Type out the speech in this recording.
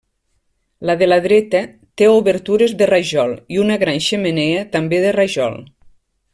La de la dreta té obertures de rajol i una gran xemeneia també de rajol.